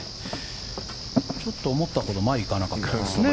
ちょっと思ったほど前に行かなかったですね。